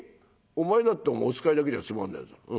「お前だってお使いだけじゃつまんねえだろ。